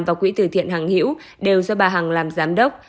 và quỹ tử thiện hằng hiểu đều do bà hằng làm giám đốc